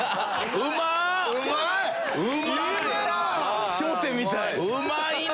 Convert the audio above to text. うまいな！